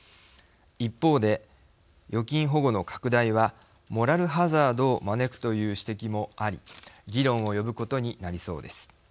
一方で、預金保護の拡大はモラルハザードを招くという指摘もあり議論を呼ぶことになりそうです。